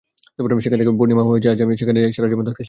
যেখান থেকে আমি পূর্ণিমা হয়েছি আজ, সেখানেই সারা জীবন থাকতে চাই।